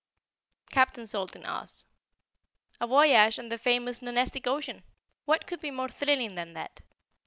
Captain Salt In Oz A voyage on the famous Nonestic Ocean! What could be more thrilling than that?